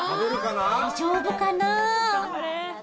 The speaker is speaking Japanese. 大丈夫かな？